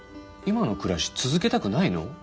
今の暮らし続けたくないの？